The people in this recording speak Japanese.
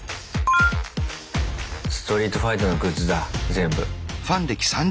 「ストリートファイター」のグッズだ全部。